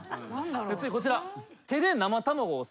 次こちら。